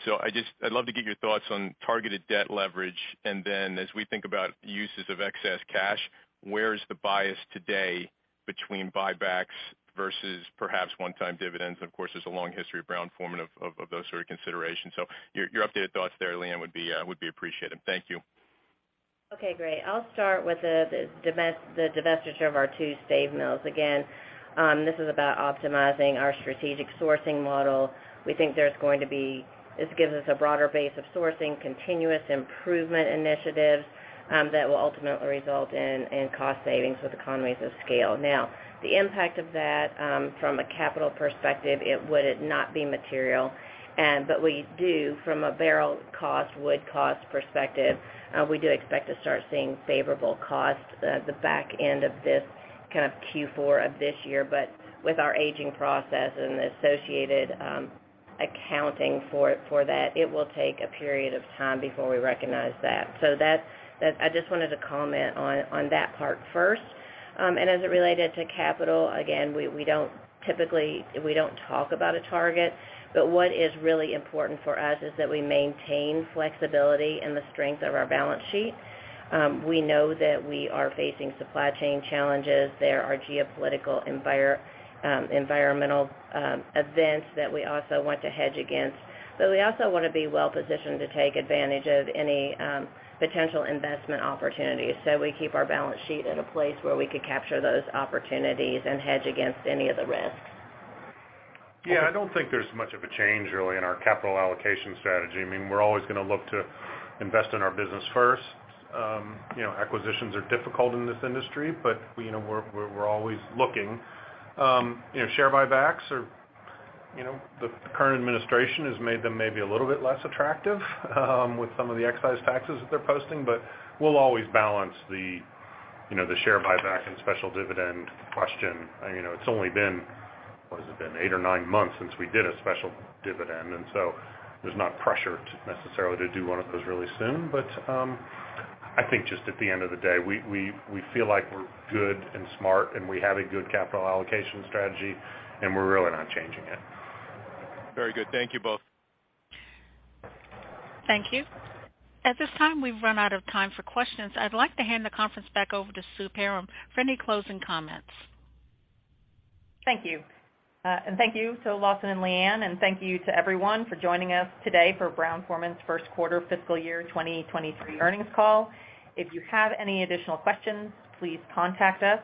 I'd love to get your thoughts on targeted debt leverage. As we think about uses of excess cash, where is the bias today between buybacks versus perhaps one-time dividends? Of course, there's a long history of Brown-Forman of those sort of considerations. Your updated thoughts there, Leanne, would be appreciated. Thank you. Okay, great. I'll start with the divestiture of our two Stave mills. Again, this is about optimizing our strategic sourcing model. We think there's going to be. This gives us a broader base of sourcing continuous improvement initiatives, that will ultimately result in cost savings with economies of scale. Now, the impact of that, from a capital perspective, it wouldn't not be material. But we do from a barrel cost, wood cost perspective, we do expect to start seeing favorable cost at the back end of this kind of Q4 of this year. But with our aging process and the associated accounting for that, it will take a period of time before we recognize that. That's. I just wanted to comment on that part first. As it related to capital, again, we don't typically talk about a target, but what is really important for us is that we maintain flexibility in the strength of our balance sheet. We know that we are facing supply chain challenges. There are geopolitical environmental events that we also want to hedge against, but we also wanna be well positioned to take advantage of any potential investment opportunities. We keep our balance sheet at a place where we could capture those opportunities and hedge against any of the risks. Yeah, I don't think there's much of a change really in our capital allocation strategy. I mean, we're always gonna look to invest in our business first. You know, acquisitions are difficult in this industry, but, you know, we're always looking. You know, share buybacks are, you know, the current administration has made them maybe a little bit less attractive, with some of the excise taxes that they're posting. We'll always balance the, you know, the share buyback and special dividend question. You know, it's only been, what has it been? eight or nine months since we did a special dividend, and so there's not pressure to necessarily to do one of those really soon. I think just at the end of the day, we feel like we're good and smart, and we have a good capital allocation strategy, and we're really not changing it. Very good. Thank you both. Thank you. At this time, we've run out of time for questions. I'd like to hand the conference back over to Sue Perram for any closing comments. Thank you, and thank you to Lawson and Leanne, and thank you to everyone for joining us today for Brown-Forman's first quarter fiscal year 2023 earnings call. If you have any additional questions, please contact us.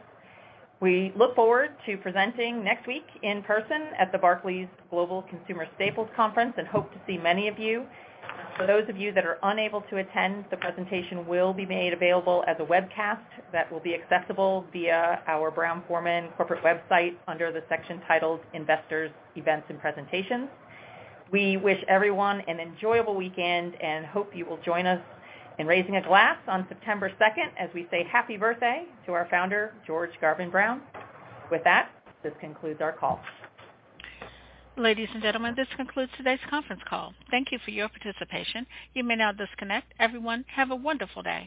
We look forward to presenting next week in person at the Barclays Global Consumer Staples Conference and hope to see many of you. For those of you that are unable to attend, the presentation will be made available as a webcast that will be accessible via our Brown-Forman corporate website under the section titled Investors Events and Presentations. We wish everyone an enjoyable weekend and hope you will join us in raising a glass on September second as we say happy birthday to our founder, George Garvin Brown. With that, this concludes our call. Ladies and gentlemen, this concludes today's conference call. Thank you for your participation. You may now disconnect. Everyone, have a wonderful day.